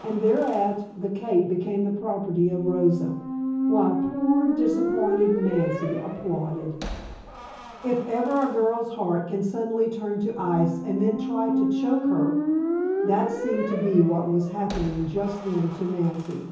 And thereat the cape became the property of Rosa, while poor, disappointed Nancy applauded. If ever a girl's heart can suddenly turn to ice and then try to choke her, that seemed to be what was happening just then to Nancy.